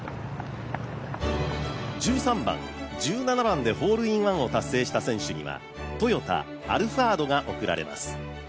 １３番、１７番でホールインワンを達成した選手にはトヨタ、アルファードが贈られます。